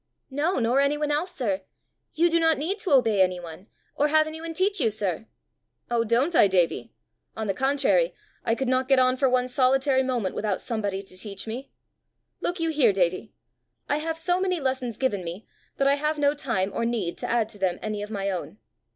"No, nor anyone else, sir! You do not need to obey anyone, or have anyone teach you, sir!" "Oh, don't I, Davie! On the contrary, I could not get on for one solitary moment without somebody to teach me. Look you here, Davie: I have so many lessons given me, that I have no time or need to add to them any of my own.